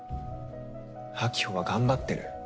晶穂は頑張ってる。